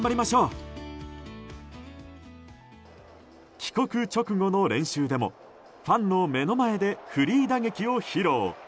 帰国直後の練習でもファンの目の前でフリー打撃を披露。